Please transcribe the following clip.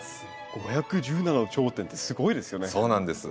５１７の頂点ってすごいですよね。